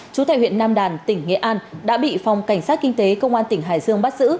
chú tại huyện nam đàn tỉnh nghệ an đã bị phòng cảnh sát kinh tế công an tỉnh hải dương bắt giữ